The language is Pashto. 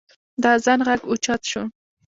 د اذان غږ اوچت شو.